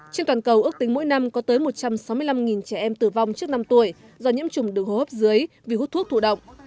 trên toàn cầu ước tính mỗi năm có tới một trăm sáu mươi năm trẻ em tử vong trước năm tuổi do nhiễm trùng đường hô hấp dưới vì hút thuốc thụ động